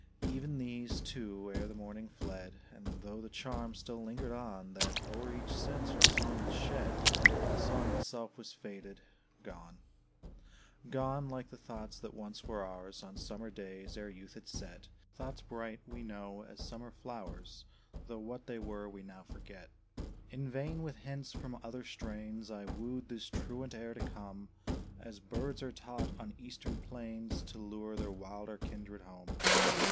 Even these, too, ere the morning, fled; And, tho' the charm still lingered on, That o'er each sense her song had shed, The song itself was faded, gone; Gone, like the thoughts that once were ours, On summer days, ere youth had set; Thoughts bright, we know, as summer flowers, Tho' what they were we now forget. In vain with hints from other strains I wooed this truant air to come As birds are taught on eastern plains To lure their wilder kindred home.